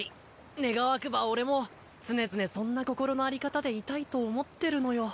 願わくば俺も常々そんな心の在り方でいたいと思ってるのよ。